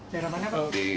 di daerah mana pak